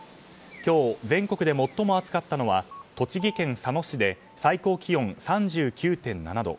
今日、全国で最も暑かったのは栃木県佐野市で最高気温３９．７度。